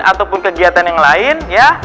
ataupun kegiatan yang lain ya